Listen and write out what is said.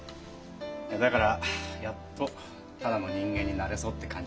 だからやっと「ただの人間になれそう」って感じなんだ今。